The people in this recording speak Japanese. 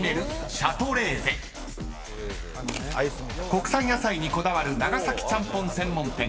［国産野菜にこだわる長崎ちゃんぽん専門店］